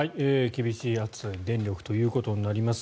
厳しい暑さで電力ということになります。